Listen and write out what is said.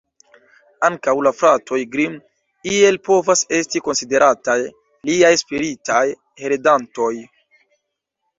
Ankaŭ la Fratoj Grimm iel povas esti konsiderataj liaj spiritaj heredantoj.